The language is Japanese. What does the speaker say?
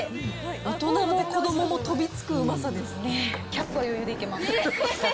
大人も子どもも飛びつくうまさですね。